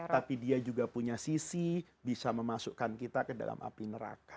tapi dia juga punya sisi bisa memasukkan kita ke dalam api neraka